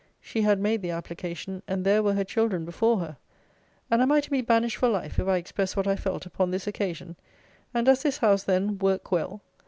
She had made the application; and there were her children before her! And am I to be banished for life if I express what I felt upon this occasion! And does this House, then, "work well?"